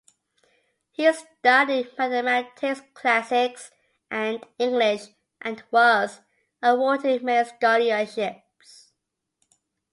He studied mathematics, classics, and English and was awarded many scholarships.